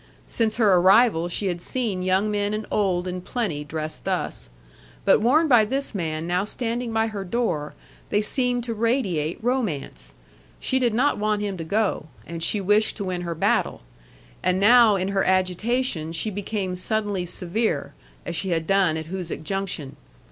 Since her arrival she had seen young men and old in plenty dressed thus. But worn by this man now standing by her door, they seemed to radiate romance. She did not want him to go and she wished to win her battle. And now in her agitation she became suddenly severe, as she had done at Hoosic Junction.